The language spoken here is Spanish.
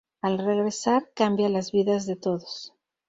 Al regresar, cambia las vidas de todos.